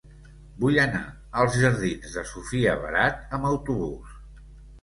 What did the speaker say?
Vull anar als jardins de Sofia Barat amb autobús.